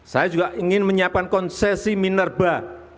saya juga ingin menyiapkan konsesi minerba